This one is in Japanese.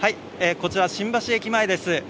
こちら新橋駅前です。